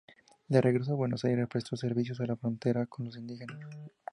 De regreso en Buenos Aires prestó servicios en la frontera con los indígenas.